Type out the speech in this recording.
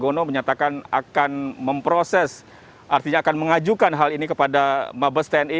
gono menyatakan akan memproses artinya akan mengajukan hal ini kepada mabes tni